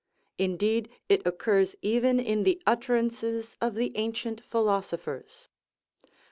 Indeed, it occurs even in the utterances of the ancient philosophers.